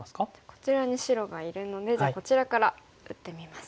こちらに白がいるのでじゃあこちらから打ってみますか。